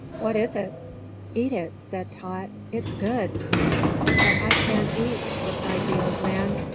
"What is it?" "Eat it," said Tot; "it's good." "But I can't eat," replied the old man.